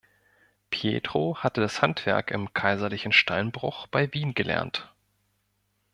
Pietro hatte das Handwerk im Kaiserlichen Steinbruch bei Wien gelernt.